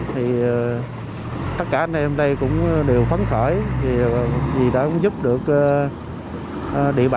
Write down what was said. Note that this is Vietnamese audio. thì tất cả anh em đây cũng đều phấn khởi vì đã không giúp được địa bàn